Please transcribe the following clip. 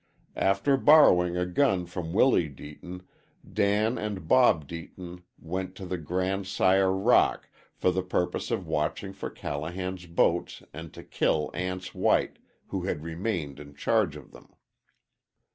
After borrowing a gun from Willie Deaton, Dan and Bob Deaton went to the Grand Sire Rock for the purpose of watching for Callahan's boats and to kill Anse White, who had remained in charge of them.